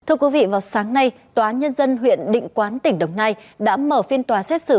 thưa quý vị vào sáng nay tòa nhân dân huyện định quán tỉnh đồng nai đã mở phiên tòa xét xử